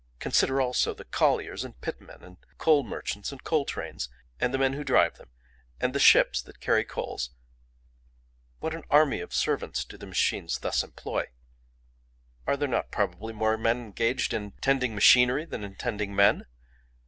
Consider also the colliers and pitmen and coal merchants and coal trains, and the men who drive them, and the ships that carry coals—what an army of servants do the machines thus employ! Are there not probably more men engaged in tending machinery than in tending men?